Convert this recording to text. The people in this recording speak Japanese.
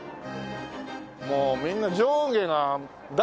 もうみんな上下が誰？